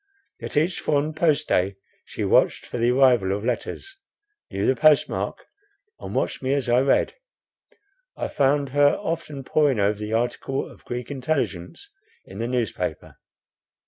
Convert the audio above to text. Yet each foreign post day she watched for the arrival of letters—knew the post mark, and watched me as I read. I found her often poring over the article of Greek intelligence in the newspaper.